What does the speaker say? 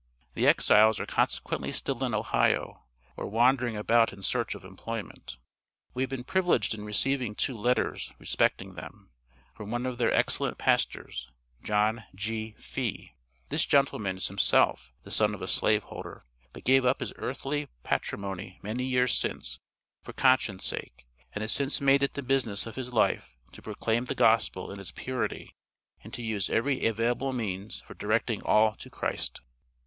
The exiles are consequently still in Ohio, or wandering about in search of employment. We have been privileged in receiving two letters respecting them, from one of their excellent pastors, John G. Fee. This gentleman is himself, the son of a slave holder, but gave up his earthly patrimony many years since for conscience' sake, and has since made it the business of his life to proclaim the gospel in its purity, and to use every available means for directing all to Christ.